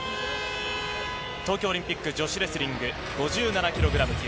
東京オリンピック女子レスリング５７ｋｇ級。